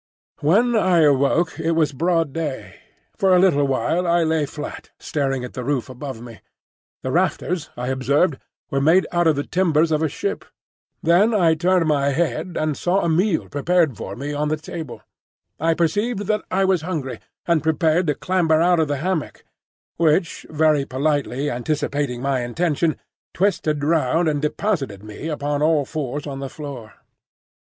When I awoke, it was broad day. For a little while I lay flat, staring at the roof above me. The rafters, I observed, were made out of the timbers of a ship. Then I turned my head, and saw a meal prepared for me on the table. I perceived that I was hungry, and prepared to clamber out of the hammock, which, very politely anticipating my intention, twisted round and deposited me upon all fours on the floor.